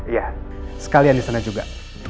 iya sekalian di sana juga